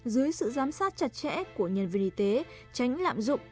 dưới sự giám sát chặt chẽ của nhân viên y tế tránh lạm dụng